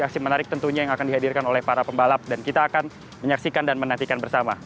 aksi menarik tentunya yang akan dihadirkan oleh para pembalap dan kita akan menyaksikan dan menantikan bersama